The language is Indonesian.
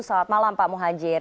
selamat malam pak mohajir